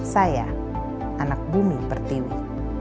saya anak bumi pertiwi